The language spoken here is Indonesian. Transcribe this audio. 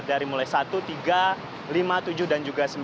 dari mulai satu tiga lima tujuh dan juga sembilan